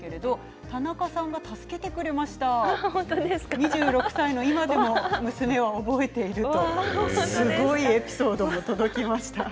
２６歳の今でも娘さんが覚えているというエピソードが届きました。